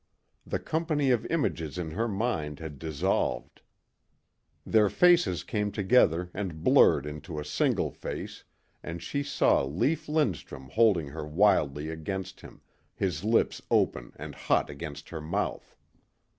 The company of images in her mind had dissolved. Their faces came together and blurred into a single face and she saw Lief Lindstrum holding her wildly against him, his lips open and hot against her mouth....